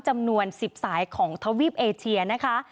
จำนวน๑๐สายของทวีปเอเชียนะคะ